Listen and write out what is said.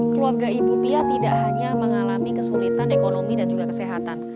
keluarga ibu pia tidak hanya mengalami kesulitan ekonomi dan juga kesehatan